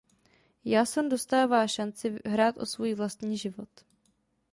Jason dostává šanci hrát o svůj vlastní život.